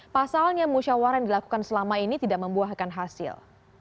pasalnya musyawaran dilakukan selama ini tidak membuahkan hasil